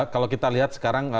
kalau kita lihat sekarang